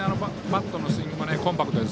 バットのスイングもコンパクトで。